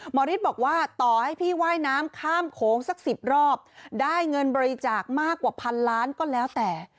ฤทธิ์บอกว่าต่อให้พี่ว่ายน้ำข้ามโขงสัก๑๐รอบได้เงินบริจาคมากกว่าพันล้านก็แล้วแต่